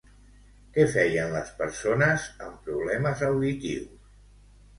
Què feien les persones amb problemes auditius?